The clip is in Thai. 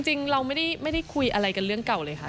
จริงเราไม่ได้คุยอะไรกันเรื่องเก่าเลยค่ะ